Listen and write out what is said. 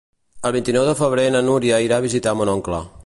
El vint-i-nou de febrer na Núria irà a visitar mon oncle.